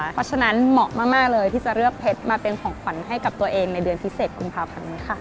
เพราะฉะนั้นเหมาะมากเลยที่จะเลือกเพชรมาเป็นของขวัญให้กับตัวเองในเดือนพิเศษกุมภาพันธ์นี้ค่ะ